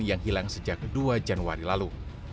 yang hilang sejak dua januari lalu